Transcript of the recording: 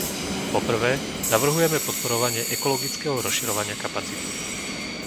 Po prvé, navrhujeme podporovanie ekologického rozširovania kapacity.